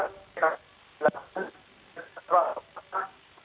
kita akan berhasil